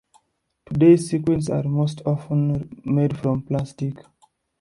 Today, sequins are most often made from plastic.